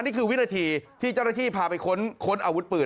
นี่คือวินาทีที่เจ้าหน้าที่พาไปค้นอาวุธปืน